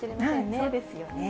そうですよね。